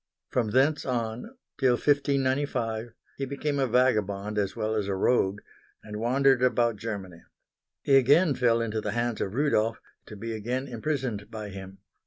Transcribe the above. From thence on till 1595, he became a vagabond as well as a rogue, and wandered about Germany. He again fell into the hands of Rudolph, to be again imprisoned by him.